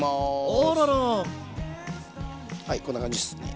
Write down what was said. はいこんな感じですね。